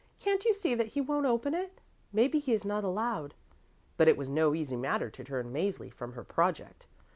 "Can't you see that he won't open it? Maybe he is not allowed." But it was no easy matter to turn Mäzli from her project.